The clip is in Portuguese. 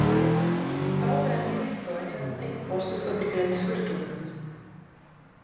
Só Brasil e Estônia não têm imposto sobre grandes fortunas